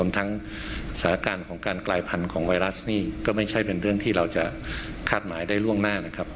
ทั้งสถานการณ์ของการกลายพันธุ์ของไวรัสนี่ก็ไม่ใช่เป็นเรื่องที่เราจะคาดหมายได้ล่วงหน้านะครับ